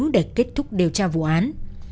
để kết thúc điều tra vụ án